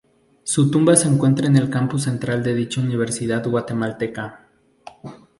Su tumba se encuentra en el campus central de dicha universidad guatemalteca.